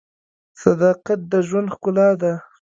• صداقت د ژوند ښکلا ده.